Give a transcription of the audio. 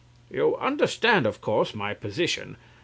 You understand, of course, my position.